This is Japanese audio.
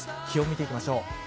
気温を見ていきましょう。